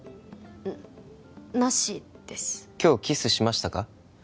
なしです今日キスしましたか？